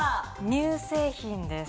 乳製品です。